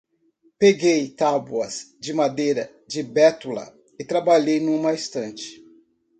Peguei tábuas de madeira de bétula e trabalhei numa estante.